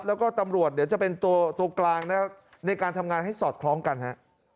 แล้วก็ตำรวจเดี๋ยวจะเป็นตัวกลางนะในการทำงานให้สอดคล้องกันฮะ